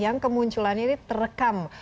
yang kemunculannya ini terekam